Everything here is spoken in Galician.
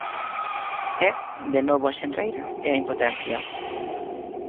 E, de novo a xenreira, e a impotencia.